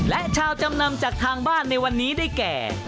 และชาวจำนำจากทางบ้านในวันนี้ได้แก่